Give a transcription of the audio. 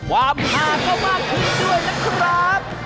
ความห้าก็มากขึ้นด้วยนะครับ